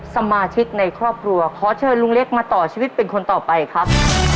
สมาชิกในครอบครัวขอเชิญลุงเล็กมาต่อชีวิตเป็นคนต่อไปครับ